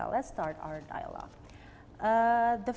mari kita mulai dialog kita